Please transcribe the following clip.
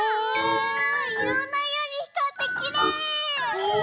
いろんないろにひかってきれい！